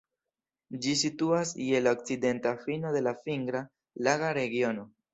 Ĝi situas je la okcidenta fino de la Fingra-Laga Regiono.